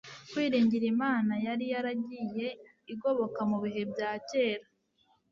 kwiringira Imana yari yaragiye igoboka mu bihe bya kera